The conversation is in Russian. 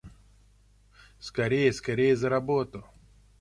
Скорее, скорее за работу!